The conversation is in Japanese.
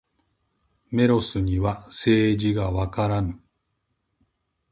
メロスには政治がわからぬ。